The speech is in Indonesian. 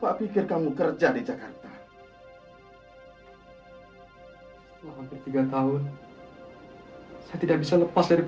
aku tunggu di sini